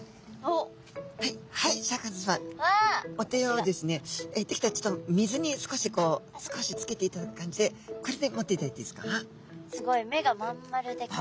お手をですねできたらちょっと水に少しこう少しつけていただく感じでこれで持っていただいていいですか？